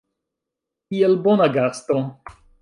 Kiel bona gasto.